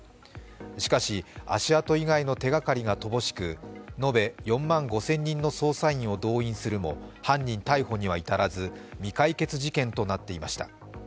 しかし足跡以外の手がかりが乏しく延べ４万５０００人の捜査員を動員するも犯人逮捕には至らず未解決事件となっていました。